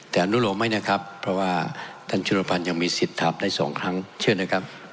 แต่อนุโลมให้นะครับเพราะว่าท่านชุรพันธ์ยังมีสิทธิ์ถามได้สองครั้งเชื่อนะครับ